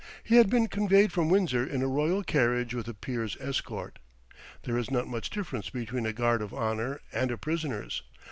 He had been conveyed from Windsor in a royal carriage with a peer's escort. There is not much difference between a guard of honour and a prisoner's.